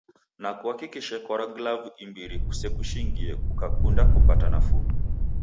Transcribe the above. Na kuhakikishe kwarwa glavu imbiri kusekushingie kukakunda kupata nafuu.